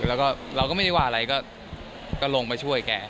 แล้วก็เราก็ไม่ได้ว่าอะไรก็ลงมาช่วยแก